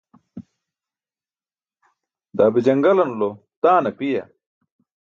Daa be jaṅgalanulo taan apiya?